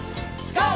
ＧＯ！